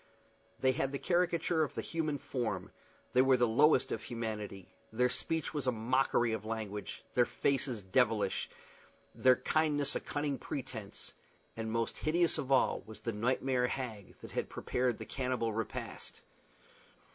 They had the caricature of the human form; they were the lowest of humanity; their speech was a mockery of language; their faces devilish, their kindness a cunning pretence; and most hideous of all was the nightmare hag that prepared the cannibal repast.